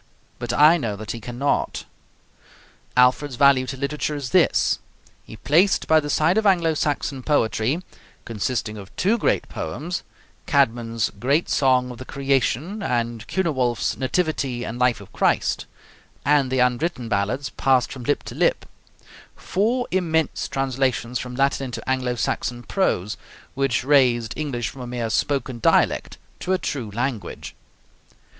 But I know that he cannot." Alfred's value to literature is this: he placed by the side of Anglo Saxon poetry, consisting of two great poems, Caedmon's great song of the 'Creation' and Cynewulf's 'Nativity and Life of Christ,' and the unwritten ballads passed from lip to lip, four immense translations from Latin into Anglo Saxon prose, which raised English from a mere spoken dialect to a true language.